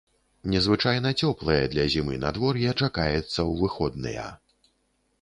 Незвычайна цёплае для зімы надвор'е чакаецца ў выходныя.